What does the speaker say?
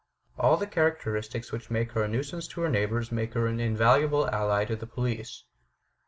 All the characteristics which made her a nuisance to her neighbours make her an invaluable ally to the police.